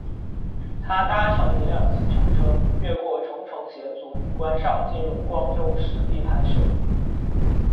他搭乘一辆计程车，越过重重险阻与关哨进入光州实地拍摄。